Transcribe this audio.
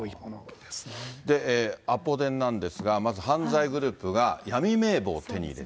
で、アポ電なんですが、まず犯罪グループが闇名簿を手に入れて。